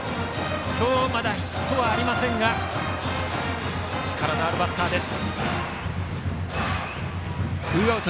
今日まだヒットはありませんが力のあるバッターです。